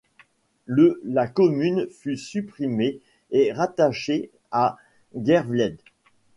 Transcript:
Le la commune fut supprimée et rattachée à Geervliet.